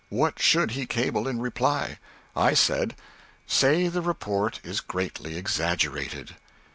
What should he cable in reply? I said "Say the report is greatly exaggerated."